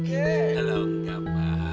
kalau enggak pak